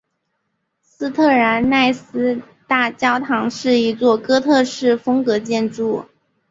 斯特兰奈斯大教堂是一座哥特式风格建筑。